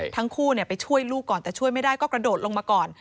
ทั้งคู่ไปช่วยลูกก่อนแต่ช่วยไม่ได้ก็กระโดดลงมาก่อน